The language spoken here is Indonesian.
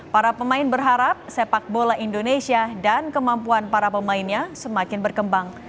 para pemain berharap sepak bola indonesia dan kemampuan para pemainnya semakin berkembang